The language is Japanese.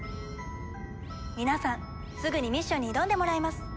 皆さんすぐにミッションに挑んでもらいます。